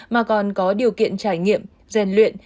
mà còn có điều kiện trải nghiệm gian luyện